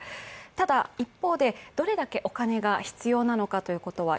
ただ、一方で、どれだけお金が必要なのかということは